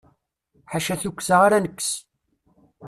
Ḥaca tukksa ara nekkes.